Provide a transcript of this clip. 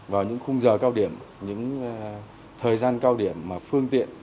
vào những khung giờ cao điểm những thời gian cao điểm mà phương tiện